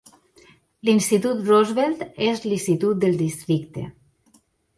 L'Institut Roosevelt és l'institut del districte.